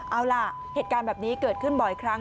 เอาล่ะเหตุการณ์แบบนี้เกิดขึ้นบ่อยครั้ง